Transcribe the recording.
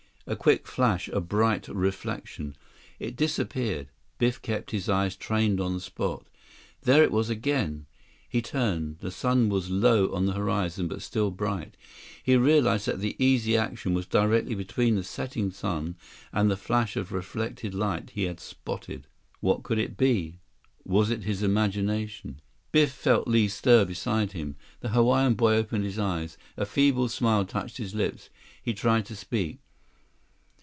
A quick flash, a bright reflection. It disappeared. Biff kept his eyes trained on the spot. There it was again. He turned. The sun was low on the horizon, but still bright. He realized that the Easy Action was directly between the setting sun and the flash of reflected light he had spotted. What could it be? Was it his imagination? 149 Biff felt Li stir beside him. The Hawaiian boy opened his eyes. A feeble smile touched his lips. He tried to speak.